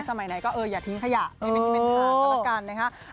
สมัยไหนก็อย่าทิ้งขยะนี่เป็นทางก็ละกันนะคะ